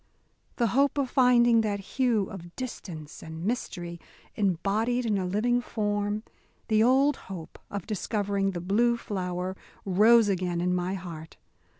The hope of finding that hue of distance and mystery embodied in a living form, the old hope of discovering the Blue Flower rose again in my heart.